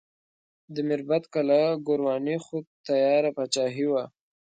د میربت کلا ګورواني خو تیاره پاچاهي وه.